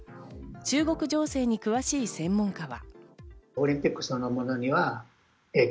中国情勢に詳しい専門家は。